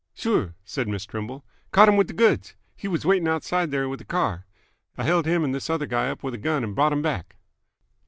"Sure," said Miss Trimble. "Caught h'm with th' goods. He w's waiting outside there with a car. I held h'm and this other guy up w'th a gun and brought 'em back!"